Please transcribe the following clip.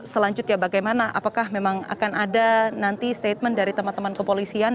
selanjutnya bagaimana apakah memang akan ada nanti statement dari teman teman kepolisian